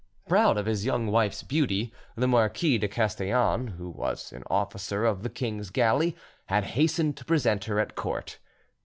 Proud of his young wife's beauty, the Marquis de Castellane, who was an officer of the king's galleys, had hastened to present her at court.